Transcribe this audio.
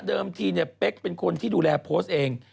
ทีเนี่ยเป๊กเป็นคนที่ดูแลโพสต์เอง